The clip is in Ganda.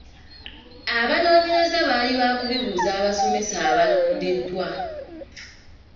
Abanoonyereza baali baakubibuuza abasomesa abalondeddwa.